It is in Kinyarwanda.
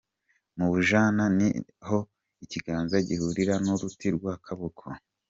Mu bujana ni aho ikiganza gihurira n’uruti rw’akaboko.